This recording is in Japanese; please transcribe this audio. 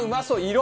色！